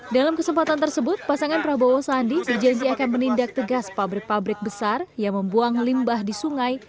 dalam kesempatan tersebut pasangan prabowo sandi berjanji akan menindak tegas pabrik pabrik besar yang membuang limbah di sungai